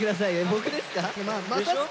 僕ですか？